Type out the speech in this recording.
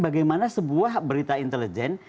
bagaimana sebuah berita intelijen